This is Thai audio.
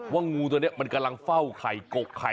ว่างูตัวนี้กำลังเฝ้าไข่กกไข่